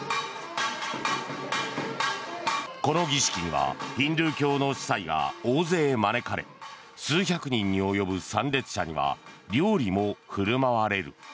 この儀式にはヒンドゥー教の司祭が大勢招かれ数百人に及ぶ参列者には料理も振る舞われる。